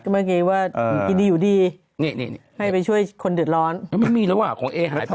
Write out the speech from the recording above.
เมื่อกี้ว่าเมื่อกี้ดีอยู่ดีให้ไปช่วยคนเดือดร้อนมันไม่มีแล้วว่ะของเอ๊หายไปแล้ว